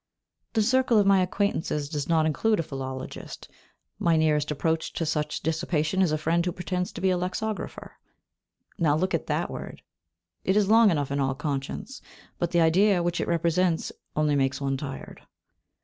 The circle of my acquaintances does not include a philologist; my nearest approach to such dissipation is a friend who pretends to be a lexicographer. Now look at that word, it is long enough in all conscience, but the idea which it represents only makes one tired.